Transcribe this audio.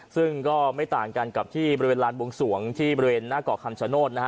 ซึ่งก็ไม่ต่างกันกับที่บริเวณลานบวงสวงที่บริเวณหน้าเกาะคำชโนธนะฮะ